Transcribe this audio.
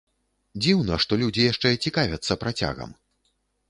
Дзіўна, што людзі яшчэ цікавяцца працягам.